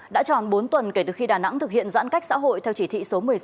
đã tròn bốn tuần kể từ khi đà nẵng thực hiện giãn cách xã hội theo chỉ thị số một mươi sáu